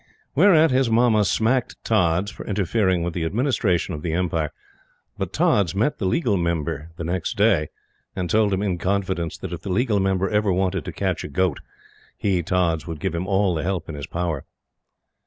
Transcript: Whereat his Mamma smacked Tods for interfering with the administration of the Empire; but Tods met the Legal Member the next day, and told him in confidence that if the Legal Member ever wanted to catch a goat, he, Tods, would give him all the help in his power.